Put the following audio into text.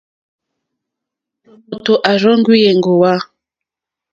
Tɔ̀mòtò à rzóŋwí èŋɡòwá.